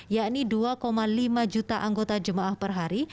yakni dua lima juta anggota jemaah per hari